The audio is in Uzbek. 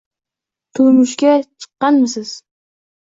Turmushga chiqqanmisiz